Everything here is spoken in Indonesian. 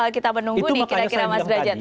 kita menunggu nih kira kira mas derajat